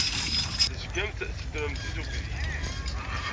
Tezgamt teddremt deg tuggdi.